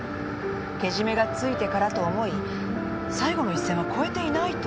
けじめがついてからと思い最後の一線は越えていないと。